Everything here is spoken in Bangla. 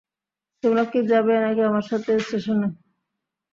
তোমরা কি যাবে নাকি আমার সাথে স্টেশনে?